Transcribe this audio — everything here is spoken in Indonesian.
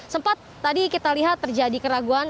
sempat tadi kita lihat terjadi keraguan